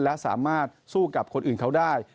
และสามารถสู้กับคนอื่นเขาได้